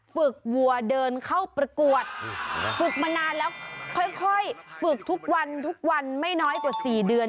วัวเดินเข้าประกวดฝึกมานานแล้วค่อยฝึกทุกวันทุกวันไม่น้อยกว่า๔เดือน